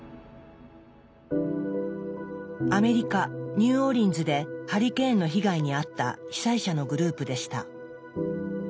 アメリカ・ニューオーリンズでハリケーンの被害に遭った被災者のグループでした。